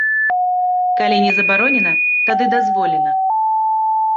Калі не забаронена, тады дазволена.